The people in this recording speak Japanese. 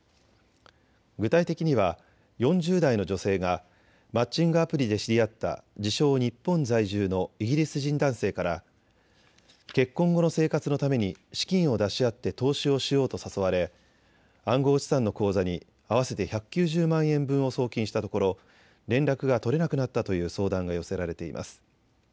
具体的には４０代の女性がマッチングアプリで知り合った自称、日本在住のイギリス人男性から結婚後の生活のために資金を出し合って投資をしようと誘われ暗号資産の口座に合わせて１９０万円分を送金したところ連絡が取れなくなったという相談が寄せられています。